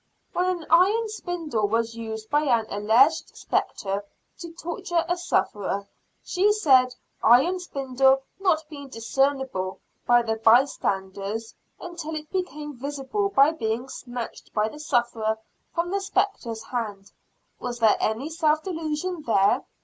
When an iron spindle was used by an alleged "spectre" to torture a "sufferer," the said iron spindle not being discernible by the by standers until it became visible by being snatched by the sufferer from the spectre's hand, was there any self delusion there?